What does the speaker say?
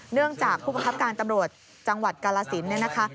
เนื่องจากผู้บังคับการตำรวจจังหวัดกาลสินเนี่ยนะคะ